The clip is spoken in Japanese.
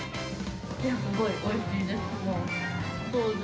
すごいおいしいです。